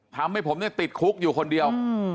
ทำให้ผมติดคุกอยู่คนเดียว